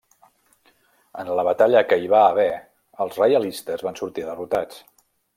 En la batalla que hi va haver els reialistes van sortir derrotats.